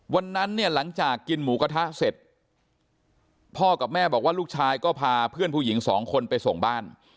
วันนั้นเนี่ยหลังจากกินหมูกระทะเสร็จพ่อกับแม่บอกว่าลูกชายก็พาเพื่อนผู้หญิงสองคนไปส่งบ้าน